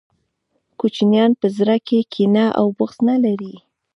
کوچنیان په زړه کي کینه او بغض نلري